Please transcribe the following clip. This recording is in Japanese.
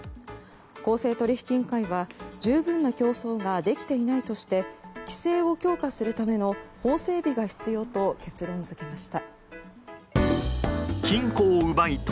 公正取引委員会は十分な競争ができていないとして規制を強化するための法整備が必要と結論付けました。